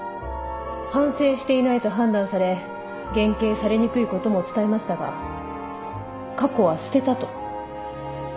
反省していないと判断され減刑されにくいことも伝えましたが過去は捨てたと。